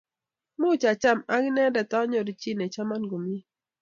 Much acham ak anendet anyoru chi ne chaman komye